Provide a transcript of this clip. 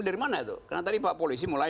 dari mana itu karena tadi pak polisi mulai